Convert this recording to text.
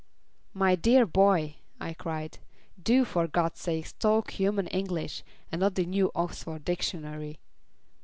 "My dear boy," I cried. "Do, for God's sake, talk human English, and not the New Oxford Dictionary."